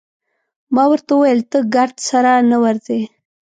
ما ورته وویل: ته ګرد سره نه ورځې؟